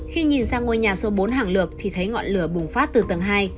khi nhìn ra ngôi nhà số bốn hàng lược thì thấy ngọn lửa bùng phát từ tầng hai